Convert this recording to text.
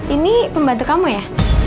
ini pembantu kamu ya